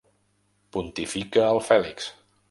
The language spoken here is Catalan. Pontifica el Fèlix.